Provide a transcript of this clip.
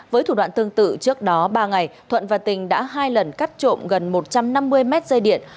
với thủ đoạn tương tự trước đó ba ngày thuận và tình đã hai lần cắt trộm gần một trăm năm mươi mét dây điện